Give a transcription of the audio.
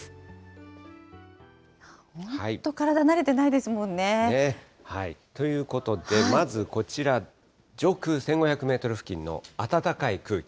本当、ということで、まずこちら、上空１５００メートル付近の暖かい空気。